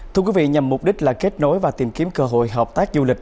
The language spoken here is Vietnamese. thưa quý vị nhằm mục đích là kết nối và tìm kiếm cơ hội hợp tác du lịch